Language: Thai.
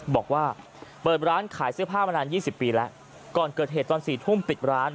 บอกว่าเปิดร้านขายเสื้อผ้ามานาน๒๐ปีแล้วก่อนเกิดเหตุตอน๔ทุ่มปิดร้าน